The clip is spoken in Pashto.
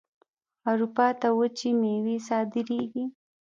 اروپا ته وچې میوې صادریږي.